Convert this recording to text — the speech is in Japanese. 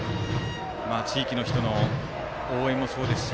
地域の人の応援もそうですし